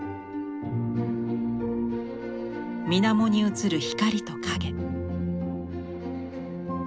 水面に映る光と影。